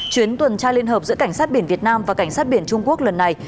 chuyến tuần tra liên hợp giữa cảnh sát biển việt nam và cảnh sát biển trung quốc lần này